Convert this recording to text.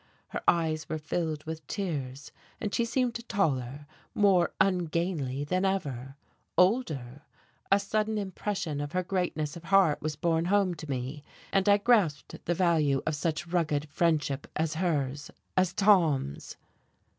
Her eyes were filled with tears, and she seemed taller, more ungainly than ever older. A sudden impression of her greatness of heart was borne home to me, and I grasped the value of such rugged friendship as hers as Tom's.